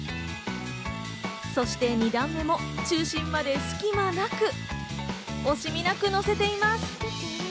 そして、２段目も中心まで隙間なく惜しみなくのせています。